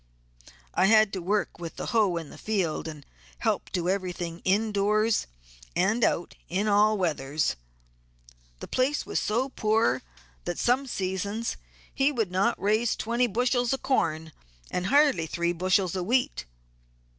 I had to work with the hoe in the field and help do everything in doors and out in all weathers. The place was so poor that some seasons he would not raise twenty bushels of corn and hardly three bushels of wheat.